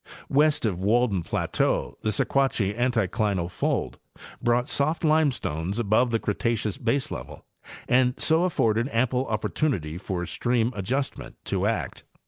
. West of Walden plateau the Sequatchie anticlinal fold brought soft limestones above the Cretaceous baselevel and so afforded ample opportunity for stream adjustment to act.